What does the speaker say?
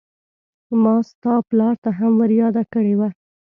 ما ستا پلار ته هم ور ياده کړې وه.